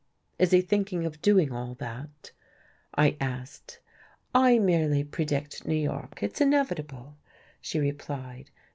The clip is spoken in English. "Is he thinking of doing all that?" I asked. "I merely predict New York it's inevitable," she replied.